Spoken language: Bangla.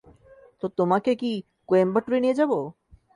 তো তোমাকে কি কোয়েম্বাটুরে নিয়ে যাব?